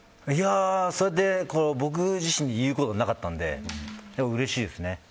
そうやって僕自身に言うことはなかったのでうれしいですね。